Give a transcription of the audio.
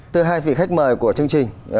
từ hai vị khách mời của chương trình